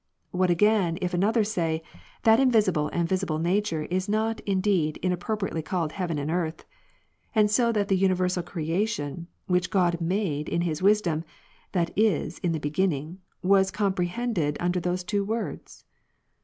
What again if another say, "that invisible and visible nature is not indeed inappropriately called heaven and earth ; and so, that the universal creation, which God made in His AVisdom, that is, in the Beginning, was comprehended under those two words